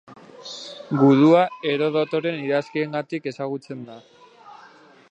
Gudua, Herodotoren idazkiengatik ezagutzen da.